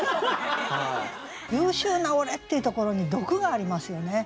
「優秀な俺」っていうところに毒がありますよね。